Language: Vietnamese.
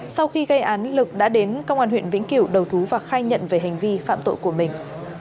sau khi gây án lực đã đến công an huyện vĩnh kiểu đầu thú và khai nhận về hành vi phạm tội của mình